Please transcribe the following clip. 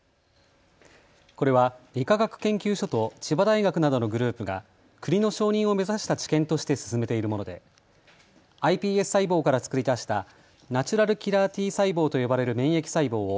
これは理化学研究所と千葉大学などのグループが国の承認を目指した治験として進めているものでｉＰＳ細胞から作り出したＮＫＴ細胞と呼ばれる免疫細胞を